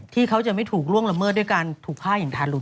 เขาจะไม่ถูกล่วงละเมิดด้วยการถูกฆ่าอย่างทารุณ